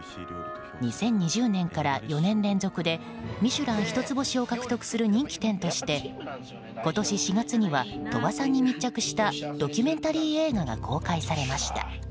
２０２０年から４年連続で「ミシュラン」一つ星を獲得する人気店として今年４月には鳥羽さんに密着したドキュメンタリー映画が公開されました。